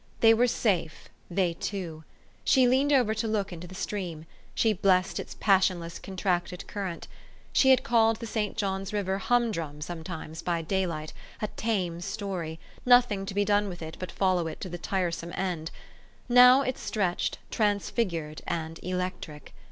They were safe, they two. She leaned over to look into the stream : she blessed its passionless, contracted cur rent. She had called the St. John's River humdrum sometimes by daylight, a tame story, nothing to be done with it but follow it to the tiresome *end ; now it stretched, transfigured and electric.